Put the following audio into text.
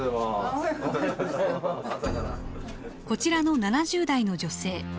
こちらの７０代の女性。